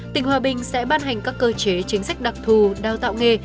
tỉnh hòa bình sẽ ban hành các cơ chế chính sách đặc thù đào tạo nghề